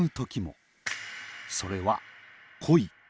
それは恋。